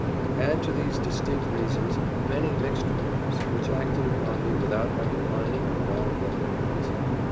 Add to these distinct reasons, many mixed motives, which acted upon me without my defining or allowing them in words.